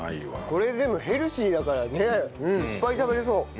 これでもヘルシーだからねいっぱい食べられそう。